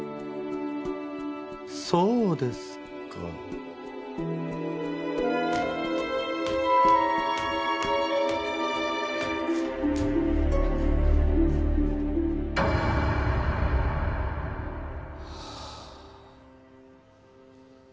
そうですか。はあ。